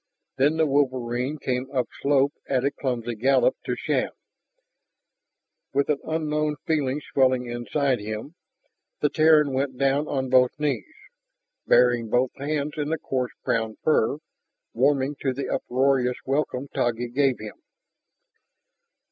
Then the wolverine came upslope at a clumsy gallop to Shann. With an unknown feeling swelling inside him, the Terran went down on both knees, burying both hands in the coarse brown fur, warming to the uproarious welcome Taggi gave him.